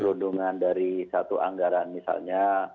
dodongan dari satu anggaran misalnya